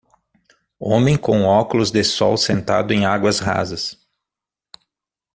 Homem com óculos de sol sentado em águas rasas